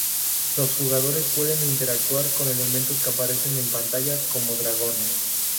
Los jugadores pueden interactuar con elementos que aparecen en pantalla, como dragones.